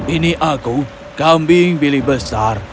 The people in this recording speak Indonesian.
ini aku kambing bili besar